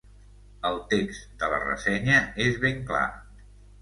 El text de la ressenya és ben clar.